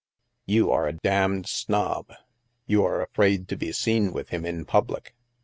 "You are a damned snob! You are afraid to be seen with him in public."